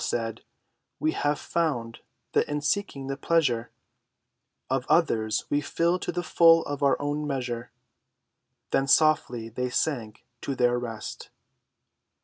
All said: "We have found that in seeking the pleasure Of others, we fill to the full our own measure," Then softly they sank to their rest.